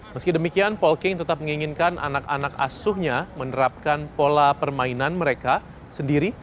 meski demikian polking tetap menginginkan anak anak asuhnya menerapkan pola permainan mereka sendiri